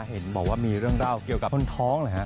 เห็นบอกว่ามีเรื่องเล่าเกี่ยวกับคนท้องหรือฮะ